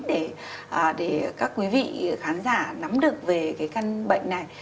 để các quý vị khán giả nắm được về cái căn bệnh này